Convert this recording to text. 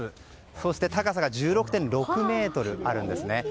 そして高さが１６．６ｍあるんですね。